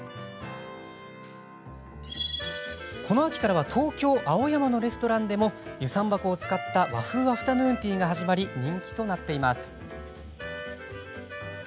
この秋からは東京・青山のレストランでも遊山箱を使った和風アフタヌーンティーが始まり人気を呼んでいます。